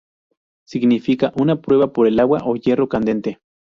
Significa una prueba por el agua o hierro candente.